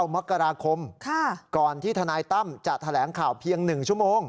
มกราคมก่อนที่ทนายตั้มจะแถลงข่าวเพียง๑ชั่วโมง